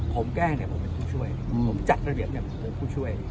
ผมแก้ผมเป็นผู้ช่วยจัดระเบียบผมเป็นผู้ช่วย